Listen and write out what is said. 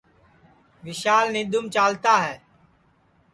وشال نیںدَوںم چالتا ہے